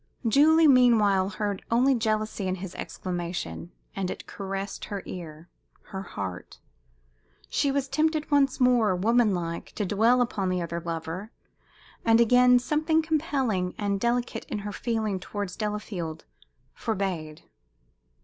Julie, meanwhile, heard only jealousy in his exclamation, and it caressed her ear, her heart. She was tempted once more, woman like, to dwell upon the other lover, and again something compelling and delicate in her feeling towards Delafield forbade.